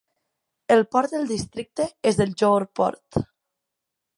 El port del districte es el Johor Port.